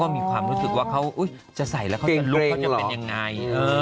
มีความรู้สึกว่าเขาจะใส่แล้วเขาเป็นลูกเขาจะเป็นยังไง